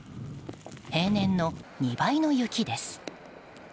平年の２倍の雪です。